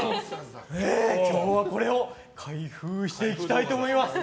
今日はこれを開封していきたいと思います。